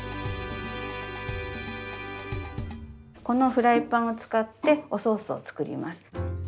このフライパンを使っておソースを作ります。